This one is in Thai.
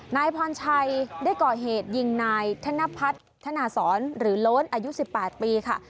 นายพรชัยได้ก่อเหตุยิงนายธนพัฒนาศรหรือโล้นอายุ๑๘ปีค่ะ